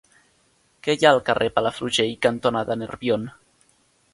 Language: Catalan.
Què hi ha al carrer Palafrugell cantonada Nerbion?